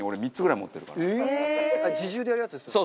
自重でやるやつですよね？